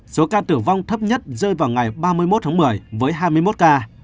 số ca tử vong thấp nhất rơi vào ngày ba mươi một tháng một mươi với hai mươi một ca